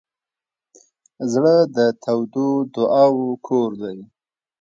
زړه د تودو دعاوو کور دی.